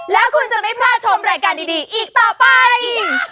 แล้วคุณจะไม่พลาดชมรายการดีอีกต่อไป